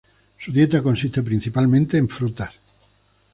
Su dieta consiste principalmente de frutos.